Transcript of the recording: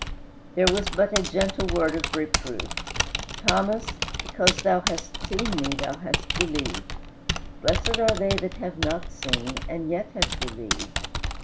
There was but a gentle word of reproof: "Thomas, because thou hast seen me thou hast believed; blessed are they that have not seen and yet have believed."